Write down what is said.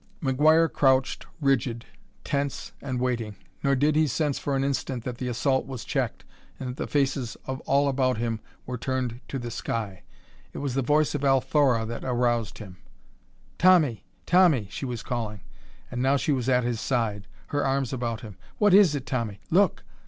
McGuire crouched rigid, tense and waiting, nor did he sense for an instant that the assault was checked and that the faces of all about him were turned to the sky. It was the voice of Althora that aroused him: "Tommy! Tommy!" she was calling, and now she was at his side, her arms about him. "What is it, Tommy? Look!